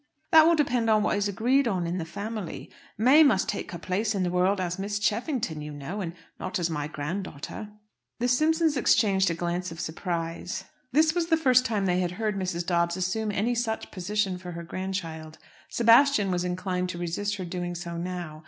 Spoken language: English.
"That will depend on what is agreed on in the family. May must take her place in the world as Miss Cheffington, you know, and not as my grand daughter." The Simpsons exchanged a glance of surprise. This was the first time they had heard Mrs. Dobbs assume any such position for her grandchild. Sebastian was inclined to resist her doing so now.